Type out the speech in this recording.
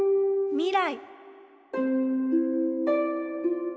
未来！